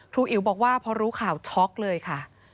อิ๋วบอกว่าพอรู้ข่าวช็อกเลยค่ะ